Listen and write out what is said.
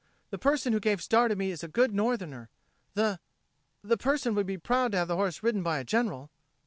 The person who gave Star to me is a good Northerner. The ... the person would be proud to have the horse ridden by a General."